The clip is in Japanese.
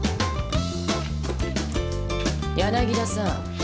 柳田さん。